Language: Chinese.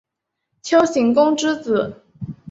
丘行恭之子。